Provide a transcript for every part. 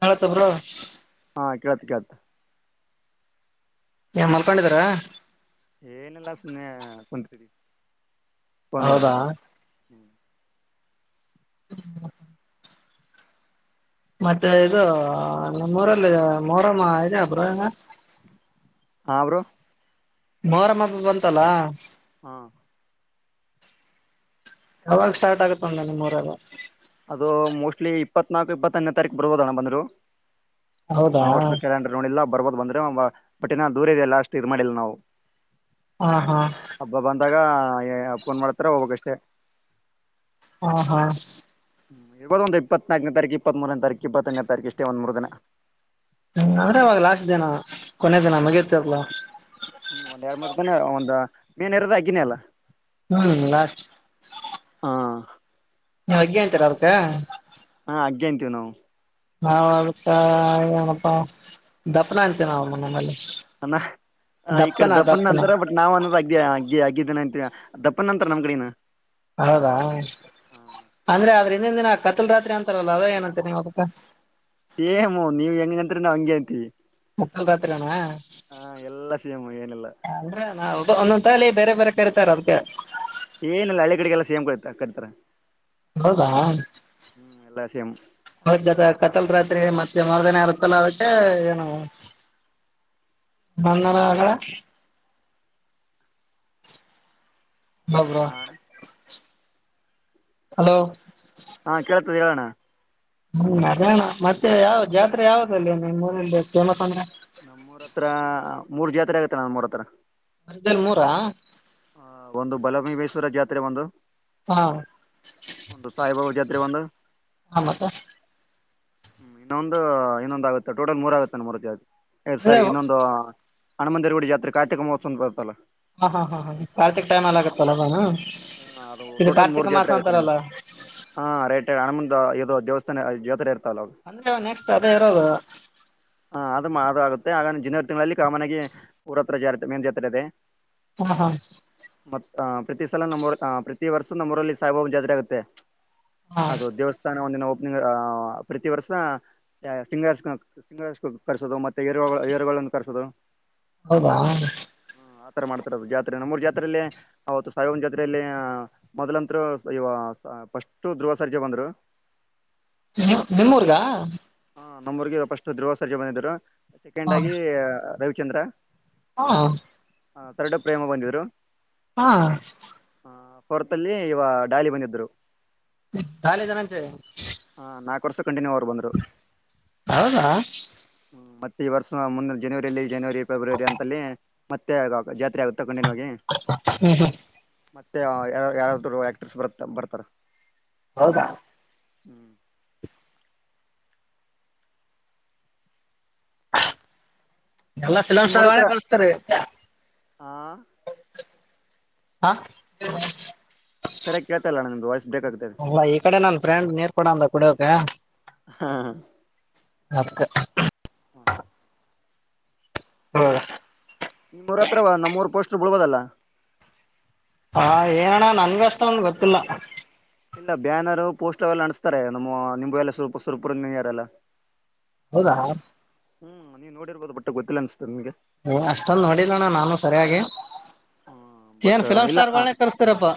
ನಳ ತಬರಾ ಹ ಕೇಳ್ತು ಕೇಳ್ತು ಮಲ್ಕೊಂಡ್ ಇದ್ದೀರಾ ಏನಿಲ್ಲಾ ಸುಮ್ನೆ ಕುಂತು ಇದ್ದೀವಿ ಬೇನ್ ಹೌದಾ ಹೊಡ್ತಾ ಹ್ಮ ಮತ್ತೆ ಇದು ನಮ್ಮೂಊರಲ್ಲಿ ಮರಮ್ಮ ಇದೆ ಅ ಬರಲ್ಲ ಹಾ ಬ್ರೋ ಮರಮ್ಮಬ ಬಂತಲ್ಲಾ ಹಾ ಯಾವಾಗ ಸ್ಟಾರ್ಟ್ ಆಗುತ್ತೆ ನಿಮ್ಮ ಊರಲ್ಲಿ ಅದು ಮೋಸ್ಟ್ಲಿ ಇಪ್ಪತ್ನಾಲ್ಕು ಇಪ್ಪತ್ತೋಂದನೇ ತಾರೀಕು ಬರರ್ಬೋದ ಅಣ್ಣ ಹೌದಾ ನಾವ್ ಅಷ್ಟು ಕ್ಯಾಲಂಡರ್ ನೋಡಿಲ್ಲ ಬರರ್ಬೋದು ಬಂದ ಪಟಿನ ದೂರ ಇದೆಲ್ಲ ಅಷ್ಟು ಇದ ಮಾಡಿಲ್ಲ ನಾವು ಹಾ ಹಾ ಹಬ್ಬ ಬಂದಾಗ ಪೋನ್ ಮಾಡ್ತಾರ ಹೋಗದ ಓ ಹಾ ಹಾ ಇದ ಒ ಇಪ್ಪತ್ನಾಲ್ಕನೇ ತೀ ಇಪ್ಪತ್ ಮೂರನೇ ತಾರೀಕ ಇಪ್ಪತ್ತನೇ ತಾರೀಕ ಇಷ್ಟೇ ಒಂದ್ ಮೂರು ದಿನ ಹ ಅ್ರಅವಾಗ ಲಾಸ್ಟ್ ದಿನ ಕೊನೆಯ ದಿನ ಮಗಿಯತಿಲ್ಲ ಹ್ಮ್ ಒಂದ್ ಎರಡ್ ಮೂರು ದನ ಒಂದ್ ಮೇನ್ ಇರದ ಆಗಿನೇ ಅಲ್ಲ ಹ್ಮ್ ನಾ ಹಾ ಅಗ್ಗೆ ಅಂತೀರ ಅವಕ ಹಾ ಅಗ್ಗೆ ಅಂತೀವಿ ನಾವು ನಾವ ಅದಕ್ಕ ಏನಪ್ಪಾ ದಪ್ಪನ ಅಂತೆೇ ನಾವವು ಮನ ಮೇಲೆ ಅ ಈ ಕಡೆ ದಪ್ಪನ್ ದಪ್ಪನ ನಂತರ ಬಟ್ ನಾವ್ ಅನ್ನೋದ ಆಗ್ದೇ ಹಾಗ ಆಗಿದ್ದನ ಅತ್ ದಪ್ಪನ್ಂತರ ನಮ್ ಕಡನು ಹೌದಾ ಅಂದ್ರೆ ಆದ್ರ ಹಂದಿನ ದಿನ ಕತಲ್ ರಾತ್ರಿ ಅಂತಾರಲ್ಲ ಅದ ಏನಂತ ನೀವಾ ಏಮ್ಮೋ ನೀವ್ ಹೆಂಗ ನಂತ್ರ ನಾವು ಹಿಂಗೆ ಅಂತೀವಿ ಮುಕ್ಕಲ್ ಜಾತ್ರೆ ನಾ ಹಾ ಎಲ್ಲ ಸಿಮ ಏನೆಲ್ಲ ನಾ ಒಂದೊಂದಂತಲ್ಲಿ ಬೇರೆ ಬೇರೆ ಕರಿತಾರೆ ಅದ್ಕ್ಕೆ ಏನಲ್ಲ ಹಳ್ಳಿಗಳಡೆಗೆಲ್ಲ ಸೇಮ್ ಕಿತ ಕರಿತಾರ ಹೌದ ಹ್ಮ್ ಎಲ್ಲಾ ಸೇಮ್ ಹೌದು ದಾದಾ ಕಥಲ್ ರಾತ್ರಿ ನೆ ಮತ್ತ್ ಜಮರ್ದನೆರತಲ್ಲದಕ್ಕೆೆ ಏನುಂದ ಅಡ ಹೌಬ್ರ ಹ ಹಲೋ ಹಾ ಕೇಳ್ತದ ಹೇಳೋಣ ಹ್ಮ್ ಅದಣ ಮತ್ತೆ ಯಾವ ಜಾತ್ರೆ ಯಾವ್ದಲ್ಲಿ ನಿಮ್ಮ್ ಊರನ್ನಲ್ಲಿ ಫೇಮಸ್ ಅಂದ್ರೆ ನಮ್ಮೂರತ್ರ ಮೂರ್ ಜಾತ್ರೆ ಆಗತ್ತೆ ನ್ ಮೂರ್ ಹತ್ರ ವರ್ದಲ್ಲಿ ಮೂರಾ ಹ ಒಂದು ಬಲಮ ಬೀರೇಶ್ ಪುರುದ್ ಜಾತ್ರೆ ಒಂದು ಹಾ ಒಂದು ಸಹಬಾಬ ಜಾತ್ರಿ ಬಂದ ಹ ಮತ್ತೆ ಹ್ಮ್ ಇನ್ನೊಂದು ಇನ್ನೊಂದುಆಗುತ್ತೆ ಟೋಟಲ್ ಮೂರ ಆಗುತ್ತೆ ನ ಮರಕ್ಕೆದು ಎಳ್ ಅದೇ ಸರಿ ಹ ಇನ್ನೊಂದು ಹಣಮಂದಿರಗಡ ಜಾತ್ರೆ ಕಾರ್ತಿಕ ಮಹೋತ್ವ ಬರ್ತಲ್ಲ ಹಾ ಹಾ ಹಾ ಕಾರ್ತಿಕ್ ಟೈಮ್ ಹಾ ಅಲ್ಲಿ ಓಟ ಆಗತ್ತಲ್ಲ ಅದಾನ ಹ ಅದು ಇದು ಟೋಟಲ್ ಕಾರ್ತಿಕ ಮೂರ್ ಮಾಸ ಜಾತ್ರೆ ಆಗುತ್ತೆ ನಮಮ್ಮ ಅಂತಾರಲ್ಲ ಹಾ ರೇಟ್ ಹಣ ಮುಂದ ದೇವಸ್ಥಾನ ಜೋತಿರ್ ರಾರು ಅಂದ್ರೆ ನೆಕ್ಸ್ಟ್ ಅದೇ ಇರೋದು ಹ ಅದು ಮಾ ಆಗುತ್ತೆ ಹಾಗ ಜನವರಿ ತಿಂಗಳಲ್ಲಿ ಕಾಮನ್ ಆಗಿ ಊರತ್ರ ಜಾ ಮೇನ್ ಜಾತ್ರೆ ಇದೆ ಹ್ಮ ಹಾ ಮತ್ ಪ್ರತಿ ಸಲ ನಮ್ಮ್ಊರು ಪ್ರತಿವರ್ಷ ನಮ್ಮ್ಊರಲ್ಲಿ ಸಾಬ್ರು ಜಾತ್ರೆ ಆಗುತ್ತೆ ಹಾ ಅದು ದೇವಸ್ಥಾನ ಒಂದಿನ ಒ ಪ್ರತಿ ವರ್ಷ ಸಿಂಗಸ್ ಸಿಂಗ ಕರೆಸೋದು ಮತ್ತೆ ರು ಏರುಗಳನ್ನು ಕರೆಸೋದು ಹೌದಾ ಮಾಡುತಿರದು ನಮ್ಮೂರು ಜಾತ್ರೆಯಲ್ಲಿ ಅವತ್ತು ಸಾಯಿಬ ಜಾತ್ರೆಯಲ್ಲಿ ಮೊದ್ಲಂತರು ಇ ಫಸ್ಟ್ ಧ್ರುವ ಸರ್ಜ ಬಂದ್ರು ನೀ ನಿಮ್ಮೂರ್ಗ ಹ ನಮ್ಮ್ಊರಿಗೆ ಫಸ್ಟ್ ಧ್ರುವ ಸರ್ಜ ಇದ್ರು ಸೆಕೆಂಡ್ ಹ ಆಗಿ ರವಿ ಚಂದ್ರ ಹಾ ಹ ತರಡು ಪ್ರೇಮ ಬಂದಿದ್ರು ಹಾ ಹೊರತಲ್ಲಿ ಇವ ಡಾಲಿ ಬಂದಿದ್ರು ಡಾಲಿ ಧನಂಜಯ್ ಹಾ ನಾಲ್ಕ ವರ್ಷಕ್ಕ ಕಂಟಿನ್ಯೂ ಅವರು ಬಂದರು ಹೌದಾ ಮತ್ತೆ ಈ ವರ್ಷ ಮುಂದಿನ ಜನವರಿಯಲ್ಲಿ ಜನವರಿ ಫೆಬ್ರವರಿ ಅಂತಲ್ಲಿ ಮತ್ತೆ ಆಗಾಗ ಜಾತ್ರೆ ಆಗುತ್ತೆ ತಗೊಂಡಿನಿ ಹೋಗಿ ಹ್ಮ್ ಹ್ಮ್ ಮತ್ತೆ ಯಾರ ಯಾರಾದರೂ ಆಕ್ಟ್ರಸ್ ಬರ್ತ ಬರ್ತಾರ ಹೌದ ಹ್ಮ [inaudible] ಎಲ್ಲ ಫಿಲಮ್ ನಿಮ್ಮೂರ ಸ್ಟಾರ್ಗಳೇ ಹತ್ರ ಕಳಸ್ತಾರೆ ಹ ಹಾ [unintelligible] ಸರಿಯಾಗಿ ಕೇಳ್ತಲ್ಲ ನಿಮ್ದು ವಾಯ್ಸ್ ಬ್ರೇಕ್ ಆಗ್ತದೆ ಅಲ್ಲ ಈ ಕಡೆ ನನ್ ಫ್ರೆಂಡ್ ನೀರ್ ಕೊಡ ಅಂದ ಕುಡಿಯೋಕೆ ಅದಕ್ಕ [unintelligible] ಹ ನಿಮ್ಮೂರ್ ಹತ್ರವ ನಮ್ಮೂರ್ ಪೋಸ್ಟ್ ಬಳ್ಬೋದಲ್ಲ ಹಾ ಏನಣ್ಣ ನನ್ಗ ಅಷ್ಟೋಂದು ಗೊತ್ತಿಲ್ಲ ಇಲ್ಲ ಬ್ಯಾನರು ಪೋಸ್ಟರ್ ಎಲ್ಲ ಅಂಟುಸ್ತಾರೆ ನಮ್ಮವು ನಿಂಬವ ಎಲ್ಲ ಸುರುಪು ಸುರುಪುರಗಿರೆರೆಲ್ಲ ಹೌದಾ ಹ್ಮ್ ನೀವು ನೋಡಿರ್ಬೋದು ಬಟ್ಟ ಗೊತ್ತಿಲ್ಲ ಅನ್ಸತದೆ ನಿಮಗೆ ಅಷ್ಟೊಂದು ನೋಡಿಲಣ್ಣ ನಾನು ಸರಿಯಾಗಿ ಹ್ಮ ಏನ್ ಬಟ್ ಫಿಲಮ್ ಇಲ್ಲ ಸ್ಟಾರ್ಗಳನೆೇ ಕರ್ಸ್ತೀರಪ್ಪಾ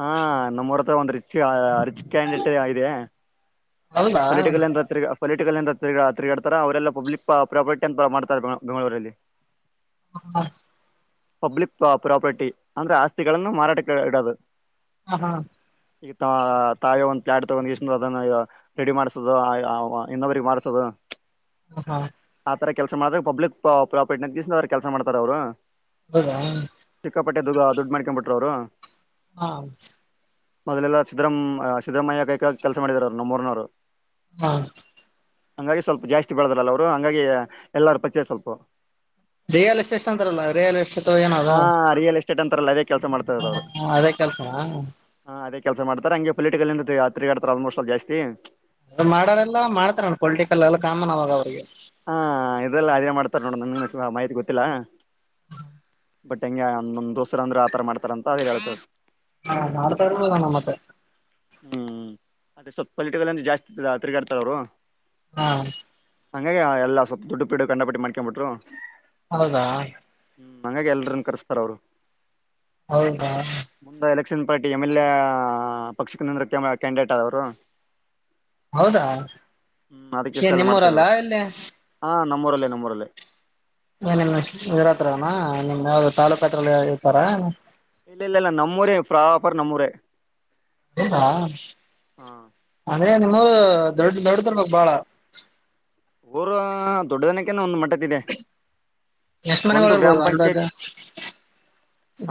ಹಾ [inaudible] ನಮ್ಮೂರ ಒಂದರಿ ಯಾ ಅರ್ಜಿ ಕ್ಯಾಂಡಿಟ್ ಇದೆ ಹೌದಾ ಪೊಲಿಟಿಕಲ್ ಎಂತತ್ರಿಗ ಪೊಲಿಟಿಕಲ್ ಎಂತ ತಿರ್ಗ್ಯ ತಿರುಗಾಡ್ತಾರ ಅವರೆಲ್ಲ ಪಬ್ಲಿಕ್ ಪ್ರಾಪರ್ಟಿ ಅಂತ ಮಾಡ್ತಾರೆ ಬೆಂಗಳೂರಲ್ಲಿ ಹಾ [inaudible] ಪಬ್ಲಿಕ್ ಪ್ರಾಪರ್ಟಿ ಅಂದ್ರೆ ಆಸ್ತಿಗಳನ್ನು ಮಾರಾಟಕ್ಕೆ ಇಡೋದು ಹ ಹಾ ಈಗ ತಾವೇ ಒಂದ್ ಪ್ಲಯಾಟ್ ತೊಗೊಂಡ್ಕ್ಯಾಸಿ ಅದನ್ ರೆಡಿ ಮಾಡಸದು [unintelligible] ಇನ್ನೊಬ್ಬರಿಗೆ ಮಾಡಸದು ಹ ಹಾ ಆ ತರ ಕೆಲಸ ಮಾಡಿದ್ರೆ ಪಬ್ಲಿಕ್ ಪ್ರಾಪರ್ಟೀ ಅಂದ್ಕಸಿ ಅವರು ಕೆಲಸ ಮಾಡ್ತಾರ ಅವರು ಹೌದಾ ಸಿಕ್ಕಾಪಟ್ಟೆ ದುಗ ದುಡ್ಡು ಮಾಡ್ಕೊಂಬುಟ್ಟು ಅವರು ಹಾ ಮೊದಲೆಲ್ಲ ಸರ್ ಸಿದ್ರಾಮ ಸಿದ್ದರಾಮಯ್ಯ ಕೈ ಕೆಳಗ ಕೆಲಸ ಮಾಡಿದೊರು ನಮ್ಮೂರನೊರು ಹಾ ಹಂಗಾಗಿ ಸ್ವಲ್ಪ ಜಾಸ್ತಿ ಬೆಳದ್ರಲ್ಲ ಅವ್ರು ಹಂಗಾಗಿ ಎಲ್ಲಾರ ಪಚ ಸ್ವಲ್ಪ ರೇಯಾಲ ಎಷ್ಟ ಎಷ್ಟ ಅಂತಾರಲ್ಲ ರೇಯಾಲ ಎಷ್ಟು ಹೌದ ಹೆನಾದು ಚಟ್ಟಂತರಲ್ಲದೇ ಹ ಅದೇ ಕೆಲ್ಸನಾ ಹಾ ಅದೇ ಕೆಲಸ ಮಾಡ್ತಾರೆ ಹಂಗೆ ಪೊಲಿಟಿಕಲ್ ತಿಗಾಡ್ತಾರೆ ಆಲ್ಮೋಸ್ ಅಲ್ಲಿ ಜಾಸ್ತಿ ಅದು ಮಾಡೋರೆಲ್ಲ ಮಾಡ್ತಾರಣ ಪೊಲಿಟಿಕಲ್ ಎಲ್ಲ ಕಾಮನ್ ಅವಾಗ ಅವ್ರಿಗೆ ಹಾ ಇದೆಲ್ಲ ಅದೇ ಮಾಡ್ತಾರ ನೋಡ ನ ಮಾಹಿತಿ ಗೊತ್ತಿಲ್ಲ ಬಟ್ ಹೆಂಗಗೆ ನಂದ್ ದೋಸ್ರ ಅಂದ್ರರು ಆತರ ಮಾಡ್ತಾರ ಅಂತ ಅ ಹೇಳ್ತಾರೆ ಹಾ ನಾಳ ತ ನಣ ಮತ್ತೆ ಹ್ಮ್ ಅದೇ ಸ್ವಲ್ಪ ಪೊಲಿಟಿಕಲ್ ಅಂತ ಜಾಸ್ತಿ ತಿರುಗಾಡ್ತಾರ ಅವರು ಹಾ ಹಂಗಗೆ ಎಲ್ಲ ಸ್ಲ್ಪ ದುಡ್ಡು ಪಿಡು ಕಂಡಪಟ್ಟ ಮಾಡಿ ಬಟ್ರು ಹೌದಾ ಹ್ಮ ನಂಗಗೆ ಎಲ್ರನ್ನ ಕರ್ಸ್ತಾರ ಅವರು ಹೌದಾ ಪಕ್ಷ ಪಾರ್ಟಿ ಎಂ ಎಲ್ ಎ ಪಕ್ಷಕ್ಕೆ ನಂದ ಕ್ಯಾಂಡಿಡೇಟ್ ಆದವರು ಹೌದಾ ಹ್ಮ್ ನಿಮ್ಮೂರಲ್ಲ ಇಲ್ಲಿ ಹ ನಮ್ಮರಲ್ಲೇ ನಮ್ಮರಲ್ಲೇ ಏನನ್ ಇದರತ್ರನಾ ನಿಮ್ ಯಾವ್ದ ತಾಲ್ಲೂಕ ಹತ್ರಲ್ಲ ಇರ್ತಾರ ಇಲ್ಲ ಇಲ್ಲ ಇಲ್ಲ ನಮ್ಮೂರ ಪ್ರಾಪರ್ ನಮ್ಮೂರೇ ಾ ಹಾ ಅಂದ್ರೆ ನಿಮ್ಮ ದೊಡ್ಡ ದೊಡ್ಡದ್ರ ಮಾಗ ಬಾಳ ಊರ ದೊಡ್ಡ ದನಕ್ಕ ಒಂದ್ ಮಟ್ಟ ಇದೆ ಎಷ್ಟ್ ಒಂದು ಮನೆಗಳು ಗ್ರಾಮ ಇರ್ಬೋದು ಪಂಚಾಯತ್ ಅಂದಾಜು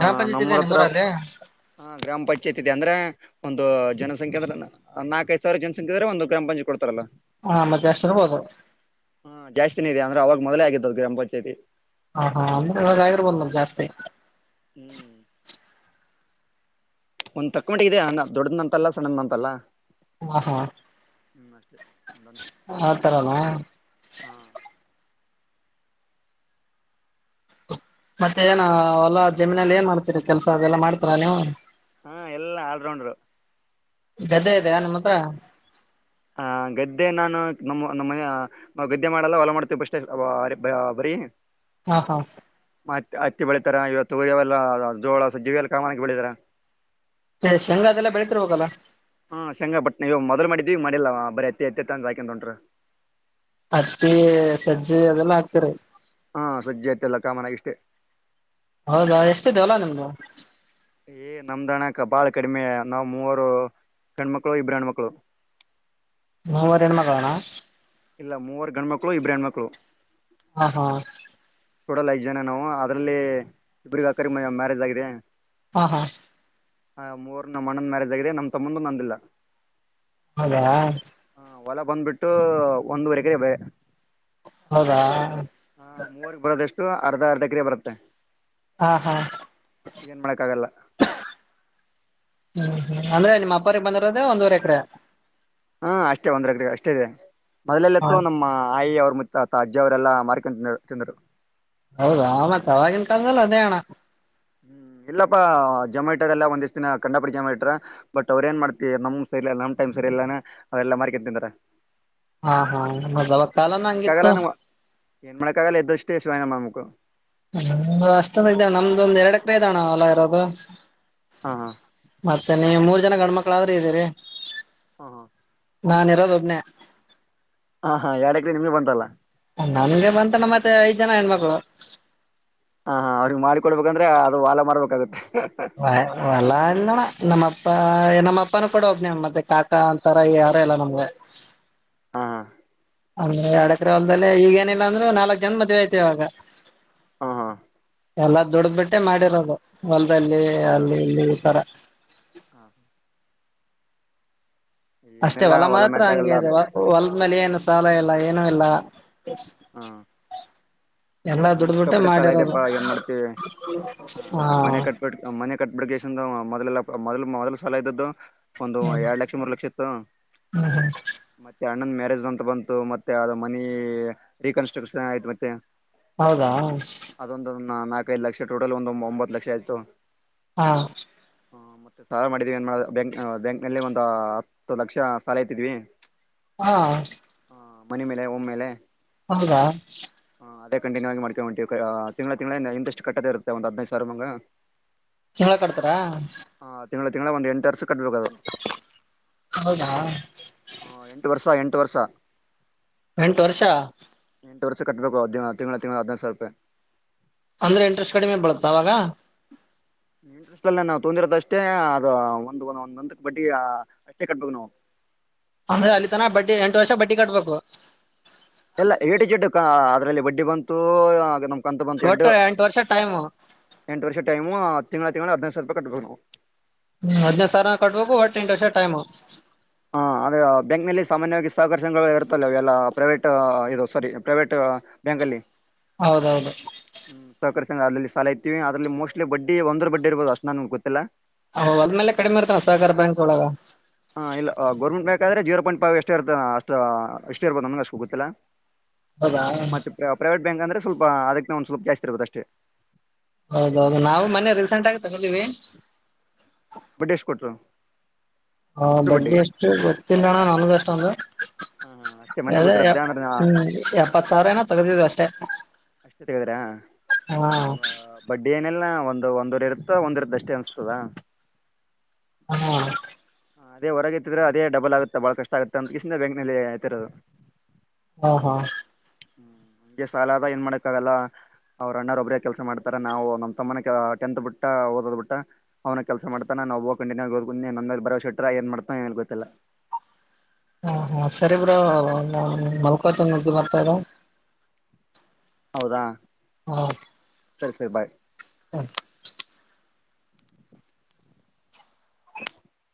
ಹ ಪಂಚಾಯತಿ ಇದೆ ನಮ್ಮೂರ ಹತ್ರ ನಿಮ್ಮೂರಲ್ಲಿ ಗ್ರಾಮ ಪಂಚಾಯತ್ ಇದೆ ಅಂದ್ರೆ ಒಂದು ಜನಸಂಖ್ಯೆಂದ್ರೆ ನಾಲ್ಕಐದು ಸಾವಿರ ಜನಸಂಖೆ ಅ್ರೆ ಒಂದು್ರಾಮ ಪಂಚತ್ ಕೊಡ್ತಾರಲ್ಲ ಹಾ ಮತ್ತೆ ಅಷ್ಟೆ ಅ ಬತ ದೆ ಅಂದ್ರೆ ಅವಾಗ ಮೊದಲೇ ಆಗಿದ್ದದದು ಎಂಪಚೇತಿ ಹಾ ಹಾ ಅಂದ್ರೆವ್ರ ಬಂದ ಜಾಸ್ತಿ ಹ್ಮ್ ಒಂದ್ ತಕ್ಕ ಮಟ್ಟಿಗೆಿದೆ ದೊಡದ ಮ ಅಂತಲ್ಲ ಸಣ್ಣದ ಅಂತಲ್ಲ ಹಾ ಹಾ ಹ್ಮ್ ಅಷ್ಟೇ ಆತರಲ್ಲ ಹಾ ಮತ್ತೆ ಏನ ಎಲ್ಲ ಜಮೀನಲ್ಲಿ ಏನ್ ಮಾಡ್ತೀರಿ ಕೆಲ್ಸ ಅದೆಲ್ಲ ಮಾಡ್ತರಾ ನೀವು ಹಾ ಎಲ್ಲಾ ಆಲ್ರೌಂಡರು ಗದ್ದೆ ಇದೆ ನಿಮ್ಮ ಹತ್ರ ಹ ಗದ್ದೆ ನಾನು ನಮ್ಮ ನಮ್ಮನೆ ನಾವು ಗದ್ದೆ ಮಾಡಲ್ಲ ಹೊಲ ಮಾಡ್ತೇವಿ ಬಸ್ೇ ಬರಿೀ ಹಾ ಹಾ ಮತ್ತ ಹತ್ತಿ ಬೆಳಿತಾರ ಇವತ್ತು ಉರಿಯವೆಲ್ಲ ಜೋಳ ಸ್ಜೀ ಎಲ್ಲ ಕಾಮಾನಕ್ಕೆ ಬೆಳಿತಾರ [inaudible] ಶೆಂಗ ಅದೆಲ್ಲಾ ಬೆಳತಿರ್ ಹೋಗಲ್ಲಾ ಹಾ ಶಂಗಾಪಟ್ಣ ಇವ ಮೊದ್ಲು ಮಾಡಿದೀವಿ ಮಾಡಿಲ್ಲವಾ ಬರೀ ಎತ್ತ ಎತ್ತತ್ತ ಅಂದ ಹಾಕನ್ ಹೊಂಟರು ಹತ್ತಿ ಸಜ್ಜೆ ಅದೆಲ್ಲ ಹಾಕ್ತರಿ ಸಜ್ಜೆ ಹತ್ತಿ ಎಲ್ಲ ಕಾಮನ್ ಆಗಿ ಅಷ್ಟೇ ಹೌದಾ ಎಷ್ಟ್ ಇದಾ ಹೊಲ ನಿಮ್ದು ಏ್ ನಮ್ದಣಕ ಬಾಳ ಕಡಿಮೆ ನಾವ್ ಮೂವರು ಗಂಡು ಮಕ್ಕಳು ಇಬ್ಬ್ರ ಹೆಣ್ಮಕ್ಳು ಮೂರ್ ಹೆಣ್ಮಕ್ಳ ಅಣ್ಣ ಇಲ್ಲ ಮೂವರು ಗಂಡ್ಮಕ್ಕಳು ಇಬ್ರು ಹೆಣ್ಮಕ್ಕಳು ಹಾ ಹಾ ಟೋಟಲ್ ಐದು ಜನ ನಾವು ಅದ್ರಲ್ಲಿ ಇಬ್ರಿಗೆ ಅಕ್ಕ ಮ್ಯಾರೇಜ್ ಆಗಿದೆ ಹಾ ಹಾ ಹ ಮೂರ್ ನಮ್ಮಣ್ಣನ್ ಮ್ಯಾರೇಜ್ ಆಗಿದೆ ನಮ್ ತಮ್ಮಂದು ನಂದಿಲ್ಲ ಹೌದಾ ಹೊಲ ಬಂದ್ಬಿಟ್ಟು ಒಂದುವರೆ ಎಕರೆ ಹೌದಾ ಎಷ್ಟು ಅರ್ಧ ಅರ್ಧ ಎಕ್ರೆ ಬರುತ್ತೆ ಹಾ ಹಾ ಏನ್ ಮಾಡಕ್ ಆಗಲ್ಲ ಹ್ಮ್ ಹ್ಮ್ ಅಂದ್ರೆ ನಿಮ್ಮ ಅಪ್ಪಾರಿಗೆ ಬಂದಿರದ ಒಂದುವರೆ ಎಕರೆ ಹಾ ಅಷ್ಟೇ ಒಂದ್ರಕ ಅಷ್ಟೇ ಇದೆ ಹ ಮೊದಲೆಲ್ಲತ್ತು ನಮ್ಮ ಆಯಿ ಅವರು ಮುತ್ತಾತ ಅಜ್ಜ ಅವರೆಲ್ಲಾ ಮಾರಿಕೊಂಡು ತಿಂದರು ಹೌದಾ ಮತ್ತೆ ಆವಾಗಿನ ಕಾಲದಲ್ಲಿ ಅದೇ ಅಣ್ಣ ಹ್ಮ್ ಇಲ್ಲಪ್ಪಾ ಜೊಮೆಟರ್ ಎಲ್ಲ ಒಂದಿಷ್ಟ್ ದಿನ ಕಂಡಪಡಿ ಜೊಮೆಟರ ಬಟ್ ಅವ್್ರ ಏನ್ ಮಾಡ್ತ ನಮ್ ಸರಿ ಇಲ್ಲ ನಮ್ ಟೈಮ್ ಸರಿ ಇಲ್ಲ ಅವ್ರಲ್ಲ ಮಾರ್ಕೊಂತ ತಿಂದಾರ ಹಾ ಹಾ ಮೊದಲ ಕಾಲ ನ ಹಂಗಿತ್ತು ಮಾಡಕ್ಕಾಗಲ್ಲ ನಾವು ಏನ್ ಮಾಡಕ್ಕಾಗಲ್ಲ ಇದ್ದಷ್ಟೇ ಶಾನೇ ಮಾಡಬೇಕು ಎಷ್ಟು ಇದ್ದಣ ನಿಮ್ದುದ್ ಎರಡು ಎಕರೆ ಇದ್ದಣ ಅಲ್ಲವ ಇರೋದು ಹಾ ಮತ್ತೆ ನೀ ಮೂ ಜನ ಗಂಡ ಮಕ್ಳಾದ್ರೆ ಇದ್ದೀರಿ ಹಾ ಹಾ ನಾನ್ ಇರೋದ ಒಬ್ನ ಹಾ ಹಾ ಎಡಕ್ರ ನಿಮ್ಗೆ ಬಂತಲ್ಲ ನನ್ಗೆ ಬಂತಾನ ಮತ್ತೆ ಐದ್ ಜನ ಹೆಣ್ಮಕ್ಳು ಹಾ ಹಾ ಅವ್ರಗ್ ಮಾಡಿಕೊಡ್ಬೇಕಂದ್ರೆ ಅದು ಹೊಲೆ ಮಾರರ್ಬೇಕಾಗತ್ತೆ ವ ವಲ್ಲ ಎಲ್ಲಣ ನಮ್ಮಪ್ಪ ನಮ್ಮಪ್ಪನ ಕೂಡ ಒಬ್ನವ ಮತ್ತೆ ಕಾಕಾ ಅಂತರ ಯಾರ ಎಲ್ಲ ನಮ್ಗೆ ಹಾ ಹಾ ಅಂದ್ರೆ ಎಡಕರೆ ಹೊಲ್ದದಲ್ಲಿ ಈಗೇಏನಿಲ್ಲ ಅಂದ್ರರು ನಾಲ್ಕ್ ಜನ ಮದ್ಐತಿ ಇವಾಗ ಹಾ ಹಾ ಎಲ್ಲಾ ದುಡ ಬಿಟ್ಟೆ ಮಾಡಿರೋದು ಹೊಲದಲ್ಲಿ ಅಲ್ಲಿ ಇಲ್ಲಿ ಈ ತರ ಹಾ ಹಾ ಅಷ್ಟೇ ಹೊಲ ಮಾತ್ರ ಮ್ಯಾಟ್ರ ಹಂಗೆ ಆಗಲ್ಲ ಅದು ಅದ ಹೊಲದ ಮೇಲೆ ಏನು ಸಾಲ ಇಲ್ಲ ಏನು ಇಲ್ಲ ಹ ಎಲ್ಲಾ ನಮ್ ದುಡ್ಬಿಟ್ಟೆ ಸಿಕ್ಕಪಟ್ಟೆ ಸಾಲ ಮಾಡಿರೋದು ಇದಪ್ಪಾ ಏನ್ ಮಾಡ್ತಿತಿ ಆ ಹಾ ಮನೆ ಕಟ್ಬಿ ಮನೆ ಕಟ್ಬಿಡ್ ಎಷ್ಟು ಮೊದಲಲ್ಲ ಮೊದ ಮೊದಲ ಸಲಾಯ ಇದ್ದದ್ದು ಒಂದು ಎರಡ್ ಲಕ್ಷ ಮೂರ್ ಲಕ್ಷ ಇತ್ತು ಮತ್ತೆ ನನ್ನಂದ ಮ್ಯಾರೇಜ್ ಅಂತ ಬಂತು ಮತ್ತೆ ಅ ಮನಿ ರೀಕನ್ಸ್ಟ್ರಕ್ಷನ್ ಆಯಿತು ಹೌದಾ ಐದು ಲಕ್ಷ ಟೋಟಲ್ ಒಂದು ಒಂಬತ್ ಲಕ್ಷ ಆಯ್ತು ಹಾ ಹ ಮತ್ತೆ ಸಾಲ ಮಾಡಿದ್ವಿ ಏನ್ ಮಾಡ ಬ್ಯಾಂಕ್ ಬ್ಯಾಂಕ್ ನಲ್ಲಿ ಒಂದು ಹತ್ತು ಲಕ್ಷ ಸಾಲ ಇತಿದ್ವಿ ಹಾ ಹ ಮನೆ ಮೇಲೆ ಒಮ್ಮೇಲೆ ಹೌದಾ ಕಂಟಿನ್ಯೂ ಆ ಮಾಡ್ಕೊಂಬಿ ತಿಂಗಳ ತಿಂಗಳಿಂದಂದಿಂದಷ್ಟು ಕಟ್ಟದು ಇರುತ್ತೆ ಒಂದ್ ಹದಿನೈದು ಸಾವಿರಾರು ಮಂಗ ಚೇಳ ಕಡ್ತಾರಾ ತಿಂಗಳ ತಿಂಗಳ ಒಂದು ಎಂಟು ವರ್ಷ ಕಟ್ಬೇಕು ಅದು ಹೌದಾ ಹಾ ಎಂಟು ವರ್ಷ ಎಂಟು ವರ್ಷ ಎಂಟು ವರ್ಷ ಎಂಟು ವರ್ಷ ಕಟ್ಬೇಕು ತಿಂಗಳ ತಿಂಗಳ ಹದಿನೈದುಸಾವಿರ ರೂಪಾಯಿ ಅಂದ್ರೆ ಇಂಟ್ರೆಸ್ಟ್ ಕಡಿಮೆ ಬಿಳುತ್ತ ಅವಾಗ ಇಂಟ್ರೆಸ್ಟ್ ಅಲ್ಲೇ ನಾವು ತೊಂದಿರದ ಅಷ್ಟೇ ಅದು ಒಂದು ಒಂದ ಒಂದ್ದಕ್ಕೆ ಬಡ್ಡಿ ಅಷ್ಟೇ ಕಟ್ಬೇಕೇ ನಾವು ಅಂದ್ರೆ ಅಲ್ಲಿ ತನ ಬಡ್ಡಿ ಎಂಟು ವರ್ಷ ಬಡ್ಡಿ ಕಟ್ಬೇಕು ಇಲ್ಲ ಏಟು ಜಿಡ್ಡು ಕ ಅದ್ರಲ್ಲಿ ಬಡ್ಡಿ ಬಂತು ಆದ ಕೊಂತ ಪಂತ ಎಡ್ಡು ಒಟ್ಟು ಎಂಟು ವರ್ಷ ಟೈಮ್ ಎಂಟು ವರ್ಷ ಟೈಮು ತಿಂಗಳ ತಿಂಗಳ ಹದಿನೖದುಸಾವಿರ ರೂಪಾಯಿ ಕಟ್ಟು ಬೇಕು ಹ್ಮ ಹದ್ನೈದು ಸಾವಿರ ಕಟ್ಬೇಕು ಒಟ್ಟೆಂಟು ವರ್ಷ ಟೈಮು ಹಾ ಅದ ಬ್ಯಾಂಕ್ ನಲ್ಲಿ ಸಾಮಾನ್ಯವಾಗಿ ಸಹಕರ್ಷಗಳು ಇರುತ್ತಲ್ಲ ಎಲ್ಲ ಪ್ರೈವೇಟ್ ಇದು ಸಾರಿ ಪ್ರೈವೇಟ್ ಬ್ಯಾಂಕ್ ಅಲ್ಲಿ ಹೌದೌದು ಅದಲ್ಲಿ ಸಾಲ ಐತಿ ಅದ್ರಲ್ಲಿ ಮೋಸ್ಟ್ಲಿ ಬಡ್ಡಿ ಒಂದರ್ ಬಡ್ಡಿ ಇರೋದು ಅಷ್ಟೇ ನಮಗೆ ಗೊತ್ತಿಲ್ಲ ಹ ಅದ್ಮೇಲೆ ಕಡಿಮೆ ಇರ್ತಾನ ಸಹಕಾರ ಬ್ಯಾಂಕ್ ಒಳಗ ಬೇಕಾದ್ರೆ ಜೀರೋ ಪಾಯಿಂಟ್ ವ್ ಎಷ್ಟ ಇರುತ್ತದೆ ಅಷ್ಟ ಎಷ್ಟೇ ಇರರ್ಬೋದು ನಮಗೆಷ್ಟ ಗೋತ್ತಿಲ್ಲ ಹೌದಾ ಮತ್ತೆ ಪ್ರ ಪ್ರೈವಟ್ ಅಂದ್ರೆ ಸ್ವಲ್ಪ ಅದಕ್ ಒಂದ ಸ್ವಲ್ಪ ಜೌಸ್ತಿರುತ್ತೆ ಅಷ್ಟೆ ಹೌದೌದು ನಾವು ಮನೆ ರೀಸೆಂಟ್ ಆಗಿ ತೆಗೆದಿವಿ [inaudible] ಬಡ್ಡಿ ಎಷ್ಟ್ ಕೊಟ್ರು ಹಾ ಎಷ್ಟು ಬಡ್ಲಿ ಬಡ್ಡಿ ಎಷ್ಟು ಗೊತ್ತಿಲ್ಲ ಅಣ್ಣ ನನ್ಗು ಅಷ್ಟ ಅಂದಾಗಿ ಹಾ ಅಷ್ಟೇ ಮನೆ ಗದಿರತ್ತೆ ಅಂದ್ರೆ ನ ಎಪ್ಪತ್ ಸಾವಿರ ಏನೋ ತಗದಿದ್ವಿ ಅಷ್ಟೇ ಅಷ್ಟೇ ತೆಗೆದಿರಾ ಹಾ ಬ ಬಡ್ಡಿ ಏನೆಲ್ಲ ಒಂದು ಒಂದು ಒಂದರ್ ಇರ್ತ ಒಂದ್ ಇರ್ತ್ತ ಅಷ್ಟೇ ಅನ್ಸ್ತದ ಹಾ ಹ ಅದ ಹೊರಗೆತ್ತ್ರೆದ ಡಬಲ್ ಆಗುತ್ತೆ ಬಾಳ ಕಷ್ಟ ಆಗುತ್ತೆ ಅಂತ ನೆಲೆೆಯ ಆತರು ಹಾ ಹಾ ಹ್ಮ್ ನಮ್ಮಗೆ ಸಾಲ ಆದೇ ಏನ್ ಮಾಡಕ್ಕ ಆಲ್ಲ ಅವ್ರ ಅಣ್ಣರೊಬ್ಬ್ರೇ ಕೆಲಸ ಮಾಡ್ತಾರ ನಾವು ನಮ್ಮ ತಮ್ಮನ ಟೆಂತ್ ಬಿಟ್ಟ ಓದೋ ಬಿಟ್ಟ ಅವ್ನ ಕೆಲಸ ಮಾಡ್ತಾರ ನಾ ಒಬ್ಬ ಕಂಟಿನ್ಯೂ ಆ ಓದ್ಕ ನ ಮೇಲೆ ಬರೋಟ್ರ ಏನ್ ಮಾಡ್ತ ಏನ ಗೊತ್ತಿಲ್ಲ ಹಾ ಸರಿ ಬ್ರೋ ನಾನು ಮಲ್ಕೊಂತ ನಿದ್ದೆ ಮರ್ತಾರ ಹೌದಾ ಹೌ ಸರಿ ಸರಿ ಬಾಯ್ ಹ